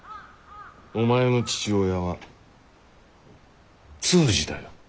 お前の父親は通詞だよ。